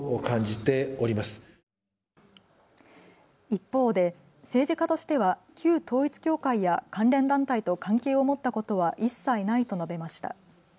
一方で政治家としては旧統一教会や関連団体と関係を持ったことは一切ないと述べました。